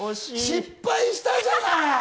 失敗したじゃない！